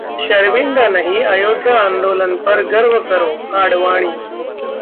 शर्मिन्दा नहीं, अयोध्या आंदोलन पर गर्व करो: आडवाणी